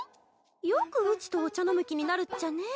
よくうちとお茶飲む気になるっちゃねぇ。